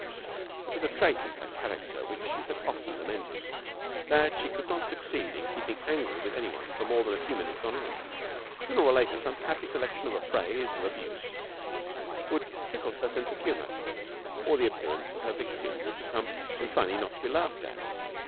It was a trait in her character which she had often lamented, that she could not succeed in keeping angry with anyone for more than a few minutes on end. Sooner or later some happy selection of a phrase of abuse would tickle her sense of humour, or the appearance of her victim would become too funny not to be laughed at.